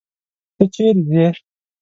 ته چيري ځې.